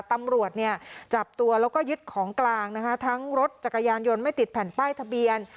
ตำรวจเนี่ยจับตัวแล้วก็ยึดของกลางนะคะทั้งรถจักรยานยนต์ไม่ติดแผ่นป้ายทะเบียน